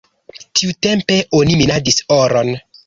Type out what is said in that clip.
Tiutempe oni minadis oron.